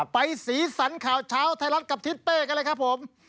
สีสันข่าวเช้าไทยรัฐกับทิศเป้กันเลยครับผม